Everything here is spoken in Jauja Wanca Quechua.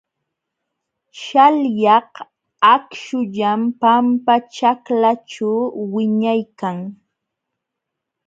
Śhalyaq akśhullam pampaćhaklaaćhu wiñaykan.